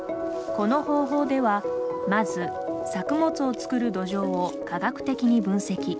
この方法では、まず作物を作る土壌を科学的に分析。